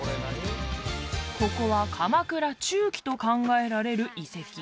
ここは鎌倉中期と考えられる遺跡